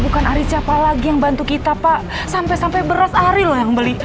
bukan ari siapa lagi yang bantu kita pak sampai sampai beras ari lah yang beli